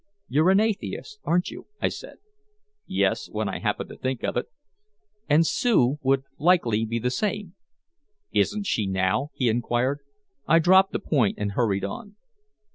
"You're an atheist, aren't you," I said. "Yes, when I happen to think of it." "And Sue would likely be the same." "Isn't she now?" he inquired. I dropped the point and hurried on.